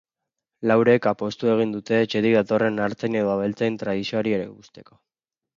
Laurek apustu egin dute etxetik datorren artzain edo abeltzain tradizioari eusteko.